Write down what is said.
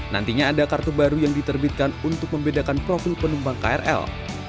nantinya ada kartu baru yang diterbitkan untuk membedakan profil penumpang krl